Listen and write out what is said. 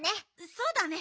そうだね。